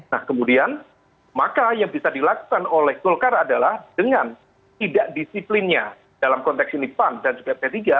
nah kemudian maka yang bisa dilakukan oleh golkar adalah dengan tidak disiplinnya dalam konteks ini pan dan juga p tiga